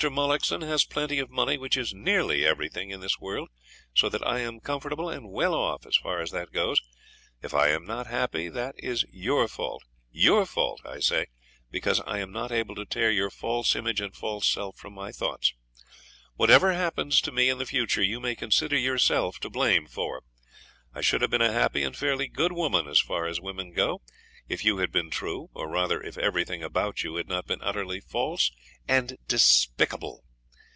Mullockson has plenty of money, which is NEARLY everything in this world, so that I am comfortable and well off, as far as that goes. If I am not happy that is your fault your fault, I say, because I am not able to tear your false image and false self from my thoughts. Whatever happens to me in the future you may consider yourself to blame for. I should have been a happy and fairly good woman, as far as women go, if you had been true, or rather if everything about you had not been utterly false and despicable.